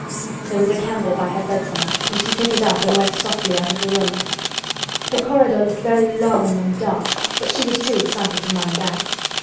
There was a candle by her bedside and she took it up and went softly out of the room. The corridor looked very long and dark, but she was too excited to mind that.